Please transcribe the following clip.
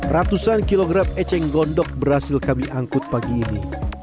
ratusan kilogram eceng gondok berhasil kami angkut pagi ini